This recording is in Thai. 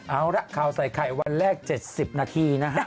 เอาละข่าวใส่ไข่วันแรก๗๐นาทีนะฮะ